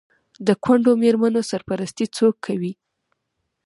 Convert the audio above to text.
د کونډو میرمنو سرپرستي څوک کوي؟